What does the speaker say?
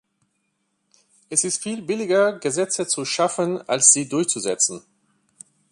Es ist viel billiger, Gesetze zu schaffen, als sie durchzusetzen.